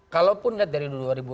kalau pun dari dua ribu dua puluh empat